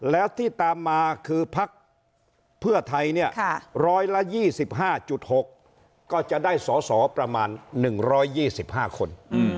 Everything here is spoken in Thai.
แล้วที่ตามมาคือพักเพื่อไทยเนี่ย๑๒๕๖ก็จะได้สอสอประมาณ๑๒๕คน